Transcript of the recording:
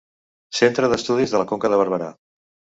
Centre d'Estudis de la Conca de Barberà.